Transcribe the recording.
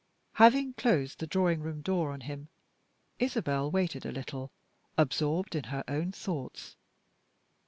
Having closed the drawing room door on him, Isabel waited a little, absorbed in her own thoughts.